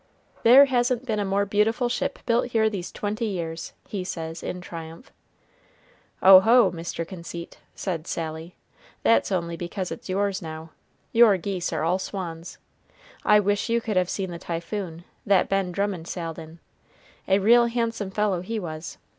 "There hasn't been a more beautiful ship built here these twenty years," he says, in triumph. "Oho, Mr. Conceit," said Sally, "that's only because it's yours now your geese are all swans. I wish you could have seen the Typhoon, that Ben Drummond sailed in a real handsome fellow he was.